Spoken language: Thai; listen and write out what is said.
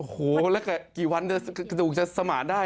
โอ้โหแล้วกี่วันเดียวกับกระดูกจะสมาธิได้